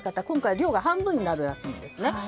今回量が半分になるらしいですね。